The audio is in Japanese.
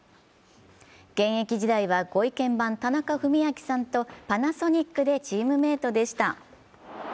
現役時代はご意見番・田中史朗さんとパナソニックでチームメートでした。